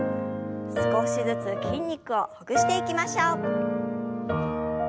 少しずつ筋肉をほぐしていきましょう。